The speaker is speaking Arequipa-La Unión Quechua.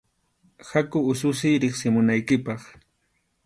Haku ususiy riqsimunaykipaq.